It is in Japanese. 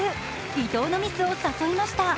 伊藤のミスを誘いました。